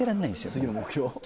次の目標。